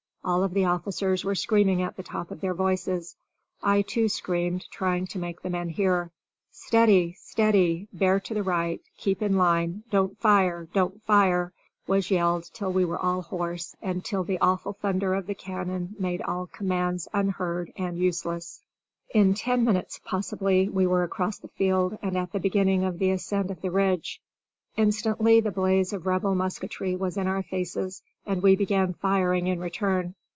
All of the officers were screaming at the top of their voices; I, too, screamed, trying to make the men hear. "Steady! steady! bear to the right! keep in line! Don't fire! don't fire!" was yelled till we all were hoarse and till the awful thunder of the cannon made all commands unheard and useless. In ten minutes, possibly, we were across the field and at the beginning of the ascent of the Ridge. Instantly the blaze of Rebel musketry was in our faces, and we began firing in return.